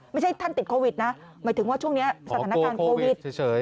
ไม่ใช่ท่านติดโควิดนะหมายถึงว่าช่วงนี้สถานการณ์โควิดเฉย